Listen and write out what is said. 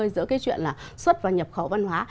giữa cái chuyện là xuất và nhập khẩu văn hóa